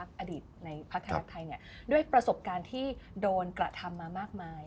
คนอดีตในพรรคไทยนะครับด้วยประสบการณ์ที่โดนกระทำมามากมาย